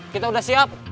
kita udah siap